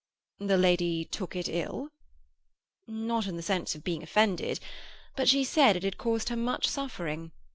"The lady took it ill?" "Not in the sense of being offended. But she said it had caused her much suffering.